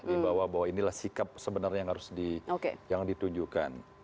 di bawah bawah inilah sikap sebenarnya yang harus ditunjukkan